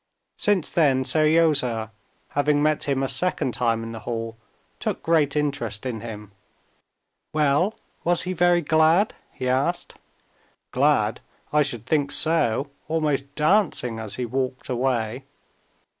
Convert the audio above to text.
Since then Seryozha, having met him a second time in the hall, took great interest in him. "Well, was he very glad?" he asked. "Glad? I should think so! Almost dancing as he walked away."